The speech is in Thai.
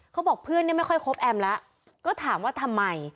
เขาบอกเพื่อนเนี่ยไม่ค่อยคบแอมแล้วก็ถามว่าทำไม